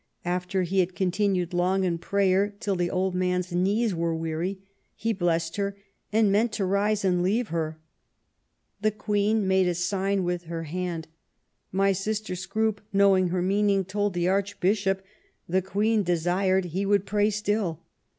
After he had continued long in prayer, till the old man's knees were weary, he blessed her and meant to rise and leave her. The Queen made a sign with her hand. My Sister Scroope, knowing her meaning, told the Archbishop the Queen desired he would pray still.